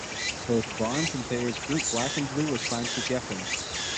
Both Barnes and Thayer's group Black 'n Blue were signed to Geffen.